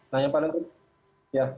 nah yang paling penting